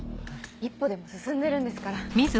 １歩でも進んでるんですから。